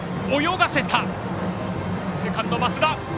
セカンド、増田。